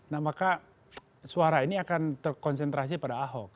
nah maka suara ini akan terkonsentrasi pada ahok